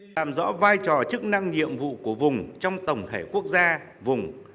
làm rõ vai trò chức năng nhiệm vụ của vùng trong tổng thể quốc gia vùng